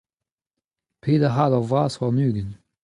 peder c'hador vras warn-ugent.